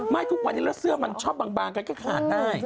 ไม่คุกวานิลละเสื้อมันชอบบางกันก็ขาดได้